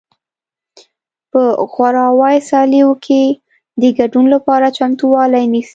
په غوراوي سیالیو کې د ګډون لپاره چمتووالی نیسي